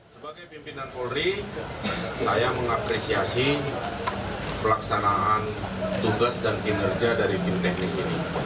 sebagai pimpinan polri saya mengapresiasi pelaksanaan tugas dan kinerja dari tim teknis ini